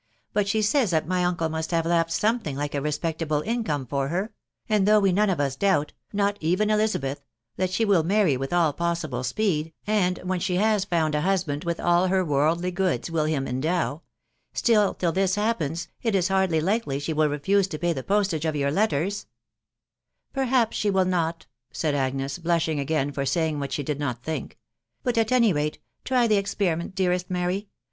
But she says that my uncle must have left something like a respectable income for her ; and though we none of us doubt (not even Elisa beth) that she will marry with all possible speed, and when she has found a husband, with all her worldly goods will him endow; still, till this happens, it is hardly likely she will refuse to pay the postage of your letters;" " Perhaps she will not," said Agnes, blushing again for saying what she did not think ;" but, at any rate, try the ex periment, dearest Mary.